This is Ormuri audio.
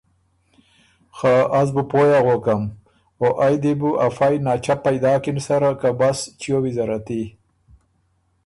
خه از بُو پوی اغوکم او ائ دی بو افئ ناچپئ داکِن سره که بس چیو ویزره تی۔